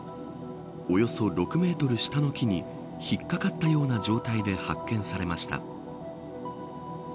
およそ６メートル下の木に引っかかったような状態で発見されました。